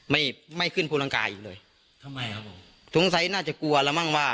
ไม่ไม่ขึ้นภูลังกาอีกเลยทำไมครับผมสงสัยน่าจะกลัวแล้วมั้งว่า